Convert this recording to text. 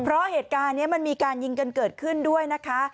เพราะเหตุการณ์นี้มันมีการยิงกันเกิดขึ้นด้วยนะคะ